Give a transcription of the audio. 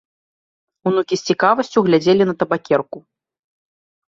Унукі з цікавасцю глядзелі на табакерку.